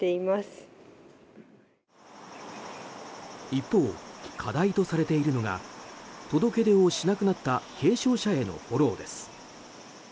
一方、課題とされているのが届け出をしなくなった軽症者へのフォローです。